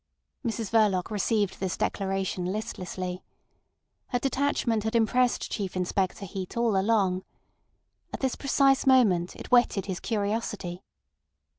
Mrs Verloc received this declaration listlessly. Her detachment had impressed Chief Inspector Heat all along. At this precise moment it whetted his curiosity.